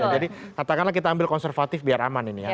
katakanlah kita ambil konservatif biar aman ini ya